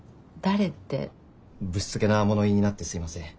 ぶしつけな物言いになってすいません。